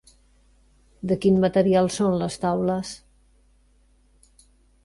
De quin material són les taules?